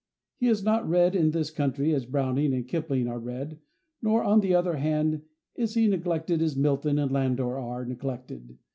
He is not read in this country as Browning and Kipling are read; nor, on the other hand, is he neglected as Milton and Landor are neglected.